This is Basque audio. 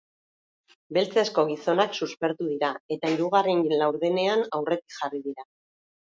Beltzezko gizonak suspertu dira, eta hirugarren laurdenean aurretik jarri dira.